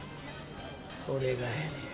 それがやねや。